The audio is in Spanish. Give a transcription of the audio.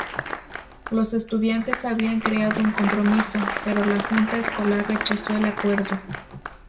Los estudiantes habían creado un compromiso, pero la junta escolar rechazó el acuerdo.